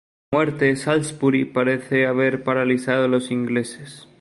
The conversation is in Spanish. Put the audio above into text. La muerte de Salisbury parece haber paralizado a los ingleses.